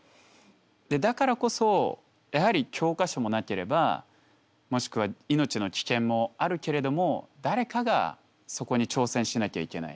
だからこそやはり教科書もなければもしくは命の危険もあるけれども誰かがそこに挑戦しなきゃいけない。